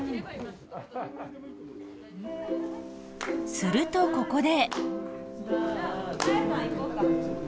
するとここで。